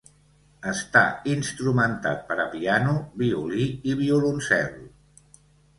Està instrumentat per a piano, violí i violoncel.